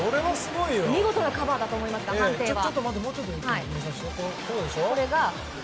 見事なカバーだと思いますが判定は？